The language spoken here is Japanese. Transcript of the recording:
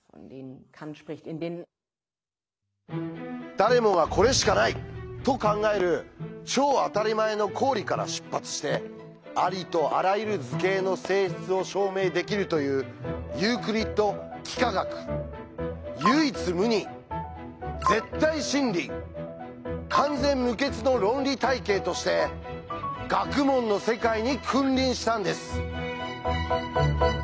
誰もが「これしかない」と考える超あたりまえの公理から出発してありとあらゆる図形の性質を証明できるというユークリッド幾何学。として学問の世界に君臨したんです。